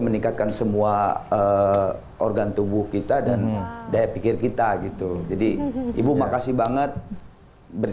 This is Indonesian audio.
meningkatkan semua organ tubuh kita dan daya pikir kita gitu jadi ibu makasih banget